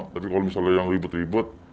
tapi kalo misalnya yang ribet ribet